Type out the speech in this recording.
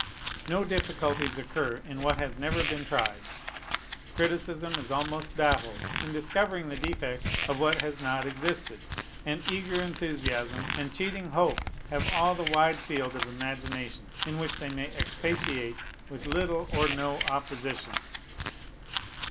No difficulties occur in what has never been tried. Criticism is almost baffled in discovering the defects of what has not existed; and eager enthusiasm and cheating hope have all the wide field of imagination, in which they may expatiate with little or no opposition.